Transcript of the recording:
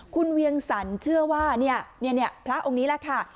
คุณเวียงสันเชื่อว่าพระองค์นี้นะคะ